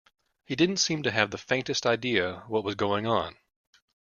He didn't seem to have the faintest idea what was going on.